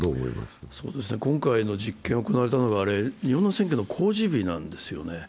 今回の実験が行われたのが日本の選挙の公示日なんですよね。